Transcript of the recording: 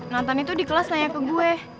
nonton itu di kelas nanya ke gue